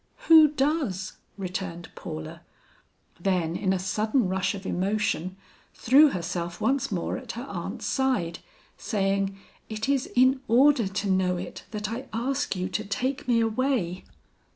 "Who does?" returned Paula; then in a sudden rush of emotion threw herself once more at her aunt's side, saying, "It is in order to know it, that I ask you to take me away."